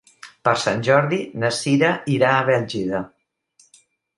Per Sant Jordi na Cira irà a Bèlgida.